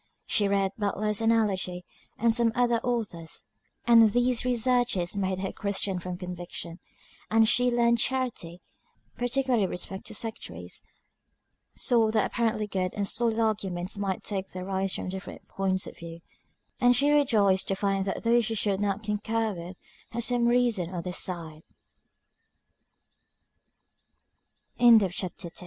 She read Butler's Analogy, and some other authors: and these researches made her a christian from conviction, and she learned charity, particularly with respect to sectaries; saw that apparently good and solid arguments might take their rise from different points of view; and she rejoiced to find that those she should not concur with had some reason on their side. CHAP. XI.